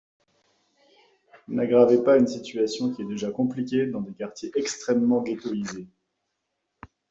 N’aggravez pas une situation qui est déjà compliquée dans des quartiers extrêmement ghettoïsés